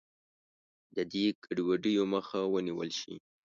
د دې ګډوډیو مخه ونیول شي.